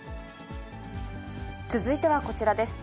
続いてはこちらです。